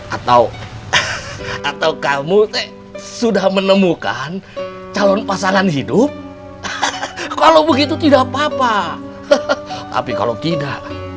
atau atau kamu teh sudah menemukan calon pasangan hidup kalau begitu tidak papa tapi kalau tidak